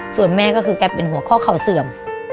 ส่วนแม่ก็คือแกเป็นหัวข้อเข่าเสื่อม